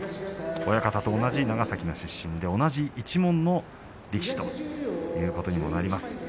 親方と同じ長崎の出身で同じ一門の力士ということにもなります。